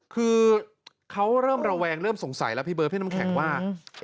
คือเขาเริ่มระแวงเริ่มสงสัยแล้วพี่เบิร์ดพี่น้ำแข็งว่า